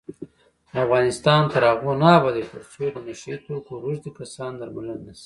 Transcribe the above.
افغانستان تر هغو نه ابادیږي، ترڅو د نشه یي توکو روږدي کسان درملنه نشي.